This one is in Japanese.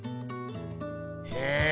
へえ。